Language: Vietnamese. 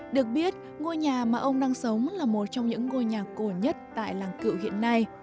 được biết ngôi nhà mà ông đang sống là một trong những ngôi nhà cổ nhất tại làng cựu hiện nay